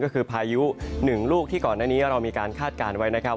ก็คือพายุหนึ่งลูกที่ก่อนหน้านี้เรามีการคาดการณ์ไว้นะครับ